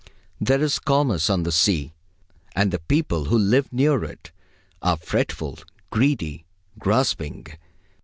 There is commerce on the sea, and the people who live near it are fretful, greedy, grasping.